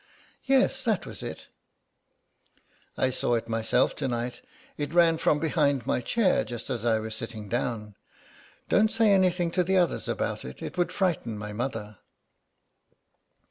"Yes, that was it." "I saw it myself to night; it ran from behind my chair just as I was sitting down. Don't say anything to the others about it; it would frighten my mother."